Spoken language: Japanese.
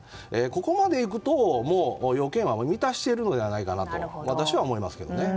ここまで行くと要件は満たしているのではないかなと私は思いますけどね。